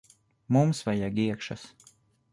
Mums vajag iekšas.